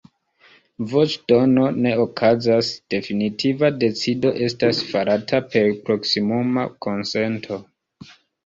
Voĉdono ne okazas, definitiva decido estas farata per proksimuma konsento.